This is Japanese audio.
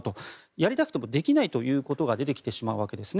やりたくてもできないということが出てきてしまうわけです。